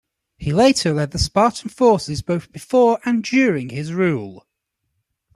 He later led the Spartan forces both before and during his rule.